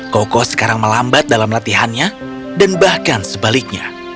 koko sekarang melambat dalam latihannya dan bahkan sebaliknya